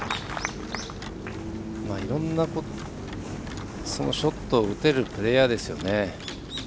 いろんなショットを打てるプレーヤーですよね。